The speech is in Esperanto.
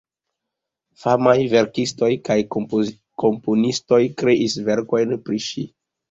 Famaj verkistoj kaj komponistoj kreis verkojn pri ŝi.